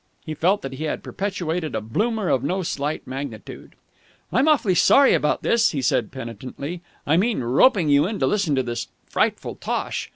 He felt that he had perpetrated a bloomer of no slight magnitude. "I'm awfully sorry about this," he said penitently. "I mean, roping you in to listen to this frightful tosh!